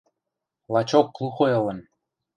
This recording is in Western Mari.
Лачок клухой ылын.